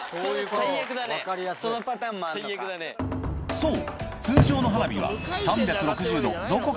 そう！